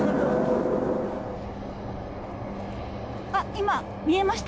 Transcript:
今、見えました